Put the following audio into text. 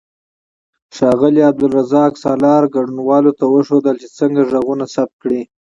ښاغلي عبدالرزاق سالار ګډونوالو ته وښودل چې څنګه غږونه ثبت کړي.